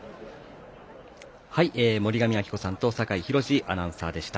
森上亜希子さんと酒井博司アナウンサーでした。